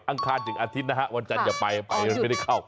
คารถึงอาทิตย์นะฮะวันจันทร์อย่าไปไปไม่ได้เข้า